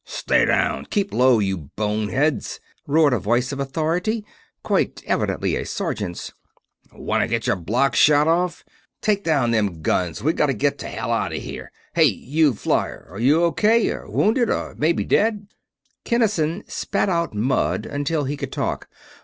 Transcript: "Stay down! Keep low, you boneheads!" roared a voice of authority, quite evidently a sergeant's. "Wanna get your blocks shot off? Take down them guns; we gotta get to hell out of here. Hey, you flyer! Are you O.K., or wounded, or maybe dead?" Kinnison spat out mud until he could talk.